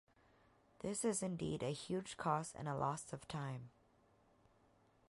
This is indeed a huge cost and a loss of time.